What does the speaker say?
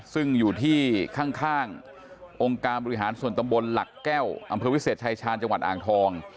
ซึ่งอยู่ที่ข้างองค์การบริหารส่วนตำบลหลักแก้วอำเภอวิเศษชายชาญจังหวัดอ่างทอง